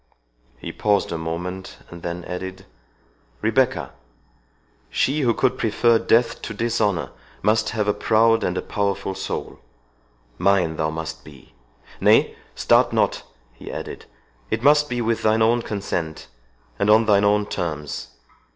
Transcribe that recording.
—He paused a moment, and then added, "Rebecca! she who could prefer death to dishonour, must have a proud and a powerful soul. Mine thou must be!—Nay, start not," he added, "it must be with thine own consent, and on thine own terms.